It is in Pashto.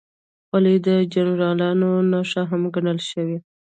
خولۍ د جنرالانو نښه هم ګڼل شوې.